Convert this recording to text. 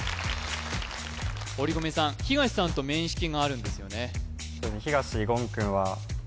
堀籠さん東さんと面識があるんですよね